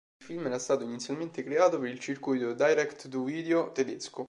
Il film era stato inizialmente creato per il circuito direct-to-video tedesco.